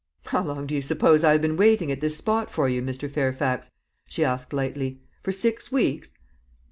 "How long do you suppose I have been waiting at this spot for you, Mr. Fairfax?" she asked lightly. "For six weeks?"